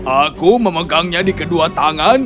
aku memegangnya di kedua tangan